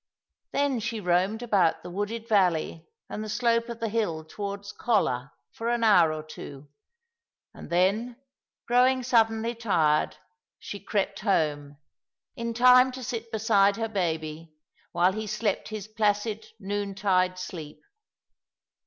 Then she "roamed about the wooded valley and the slope of the hill towards Colla for an hour or two, and then, growing suddenly tired, she crept home, in time to sit beside her baby while he slept his placid noontide sleep.